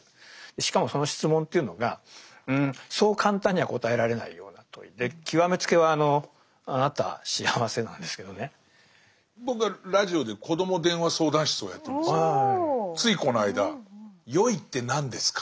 しかもその質問というのがそう簡単には答えられないような問いで極め付けはあの僕はラジオで「こども電話相談室」をやってるんですけどついこの間「良いって何ですか？